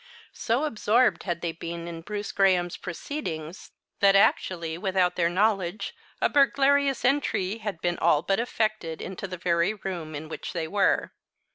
So absorbed had they been in Bruce Graham's proceedings that, actually without their knowledge, a burglarious entry had been all but effected into the very room in which they were.